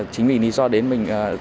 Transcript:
chính vì lý do đến mình